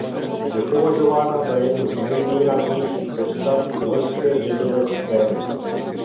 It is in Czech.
Je považována za jednu z nejvýraznějších postav norské jazzové scény.